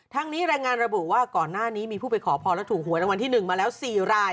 นี้รายงานระบุว่าก่อนหน้านี้มีผู้ไปขอพรและถูกหวยรางวัลที่๑มาแล้ว๔ราย